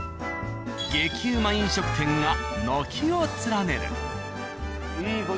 激うま飲食店が軒を連ねる。